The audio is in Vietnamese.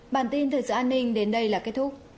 bản tin thời sự an ninh đến đây là kết thúc